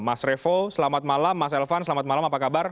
mas revo selamat malam mas elvan selamat malam apa kabar